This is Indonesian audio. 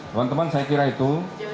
teman teman saya kira itu